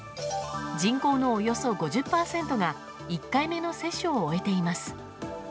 人口のおよそ５０％が１回目の接種を終えています。